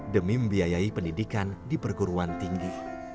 demi membiayai pendidikan di perguruan tinggi